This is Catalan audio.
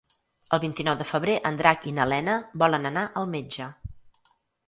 El vint-i-nou de febrer en Drac i na Lena volen anar al metge.